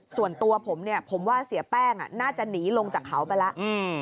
ส่วนตัวผมเนี่ยผมว่าเสียแป้งน่าจะหนีลงจากเขาไปแล้ว